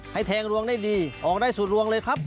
แทงรวงได้ดีออกได้ส่วนรวมเลยครับ